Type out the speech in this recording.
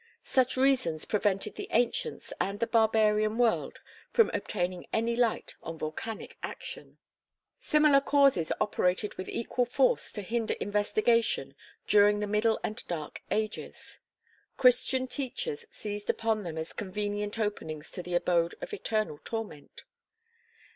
Such reasons prevented the ancients and the barbarian world from obtaining any light on volcanic action. Similar causes operated with equal force to hinder investigation during the middle and dark ages. Christian teachers seized upon them as convenient openings to the abode of eternal torment.